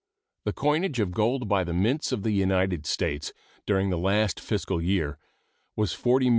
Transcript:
The coinage of gold by the mints of the United States during the last fiscal year was $40,986,912.